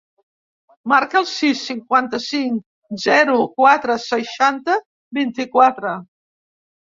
Marca el sis, cinquanta-cinc, zero, quatre, seixanta, vint-i-quatre.